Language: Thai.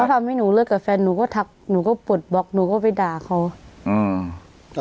ทำให้หนูเลิกกับแฟนหนูก็ทักหนูก็ปลดบล็อกหนูก็ไปด่าเขาอืม